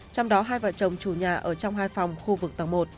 trong đó hai vợ chồng chủ nhà ở trong hai phòng khu vực tầng một